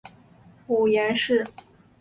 母颜氏。